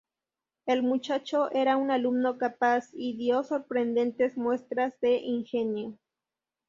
El muchacho era un alumno capaz y dio sorprendentes muestras de ingenio.